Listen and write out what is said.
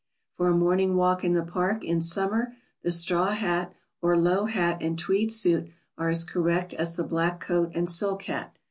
] For a morning walk in the Park in summer the straw hat, or low hat and tweed suit, are as correct as the black coat and silk hat.